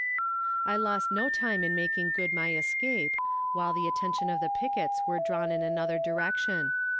I lost no time in making good my escape, while the attention of the pickets were drawn in another direction.